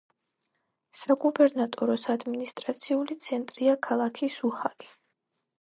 საგუბერნატოროს ადმინისტრაციული ცენტრია ქალაქი სუჰაგი.